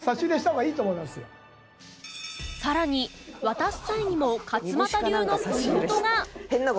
更に渡す際にも勝俣流のポイントが